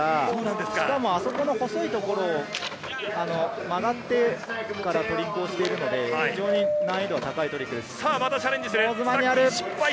しかも、あそこの細いところを曲がってからトリックをするので、非常に難易度の高いトリックです。